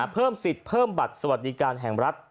เพิ่มศิษย์เพิ่มถัดสวัสดีการณ์แห่งรัฐ